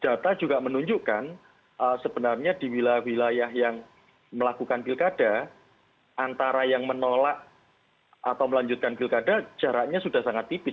jadi itu juga menunjukkan sebenarnya di wilayah wilayah yang melakukan pilkada antara yang menolak atau melanjutkan pilkada jaraknya sudah sangat tipis